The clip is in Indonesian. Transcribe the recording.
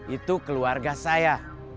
itu keluarga saya